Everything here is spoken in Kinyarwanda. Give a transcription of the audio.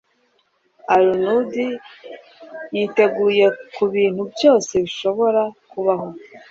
Arnaud yiteguye kubintu byose bishobora kubaho.